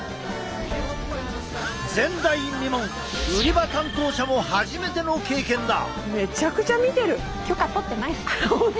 前代未聞売り場担当者も初めての経験だ。